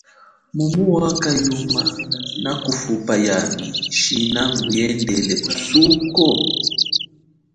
Mumu wakha yuma nakufupa yami shina nguyendele kusuko?